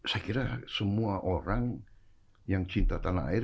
saya kira semua orang yang cinta tanah air